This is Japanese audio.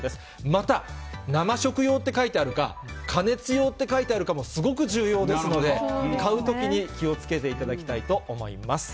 また、生食用って書いてあるか、加熱用って書いてあるかもすごく重要ですので、買うときに気をつけていただきたいと思います。